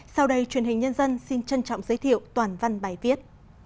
sau đây truyền hình nhân dân xin trân trọng giới thiệu toàn văn bài viết